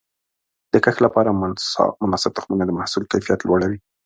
د کښت لپاره مناسب تخمونه د محصول کیفیت لوړوي.